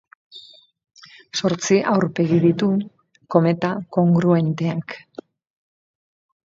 Zortzi aurpegi ditu: kometa kongruenteak.